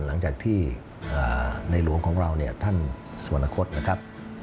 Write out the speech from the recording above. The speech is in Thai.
หลังจากที่ในหลวงของเราเนี่ยท่านสวรรคตนะครับ